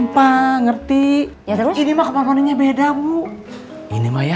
bangunin udah nyum' della